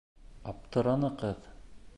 Аптыраны ҡыҙ.